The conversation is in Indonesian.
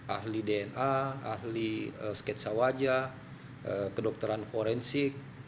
ahli dna ahli sketsa wajah kedokteran forensik